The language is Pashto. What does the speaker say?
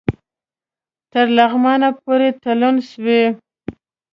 تر لغمانه پوري تلون سو